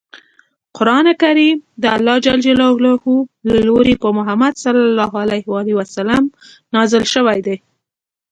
قران کریم د الله ج له لورې په محمد ص نازل شوی دی.